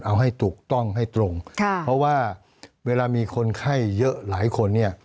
เอาให้ถูกต้องให้ตรงค่ะเพราะว่าเวลามีคนไข้เยอะหลายคนเนี่ย